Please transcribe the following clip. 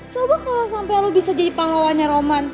coba kalau sampai lo bisa jadi pahlawannya roman